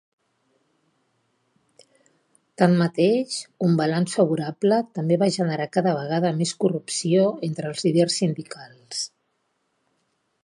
Tanmateix, un balanç favorable també va generar cada vegada més corrupció entre els líders sindicals.